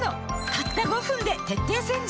たった５分で徹底洗浄